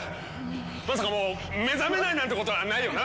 まさかもう目覚めないなんてことはないよな！？